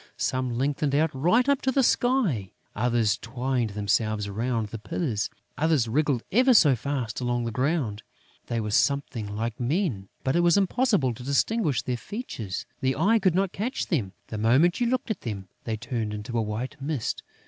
Some lengthened out right up to the sky; others twined themselves round the pillars; others wriggled ever so fast along the ground. They were something like men, but it was impossible to distinguish their features; the eye could not catch them. The moment you looked at them, they turned into a white mist.